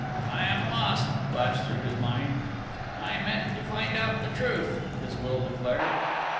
"I am lost!" flashed through his mind. "I mean to find out the truth!" his will declared.